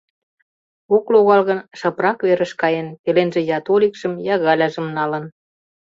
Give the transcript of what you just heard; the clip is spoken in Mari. Ок логал гын, шыпрак верыш каен, пеленже я Толикшым, я Галяжым налын.